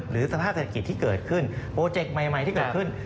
สภาพเศรษฐกิจที่เกิดขึ้นโปรเจกต์ใหม่ที่เกิดขึ้น